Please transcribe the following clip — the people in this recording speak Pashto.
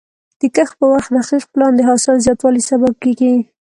د کښت پر وخت دقیق پلان د حاصل زیاتوالي سبب کېږي.